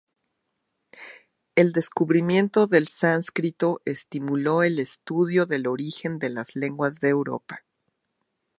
El descubrimiento del sánscrito estimuló el estudio del origen de las lenguas de Europa.